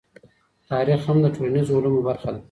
تاريخ هم د ټولنيزو علومو برخه ده.